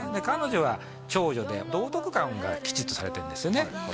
彼女は長女で道徳観がきちっとされてんですよね